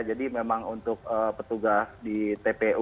jadi memang untuk petugas di pemprov